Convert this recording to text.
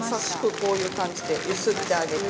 こういう感じで揺すってあげて。